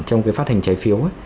trong cái phát hành trái phiếu